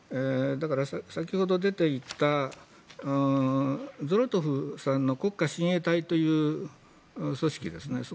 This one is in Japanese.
だから、先ほど出ていたゾロトフさんの国家親衛隊という組織ですね。